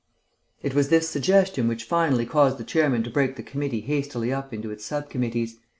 It was this suggestion which finally caused the chairman to break the committee hastily up into its sub committees.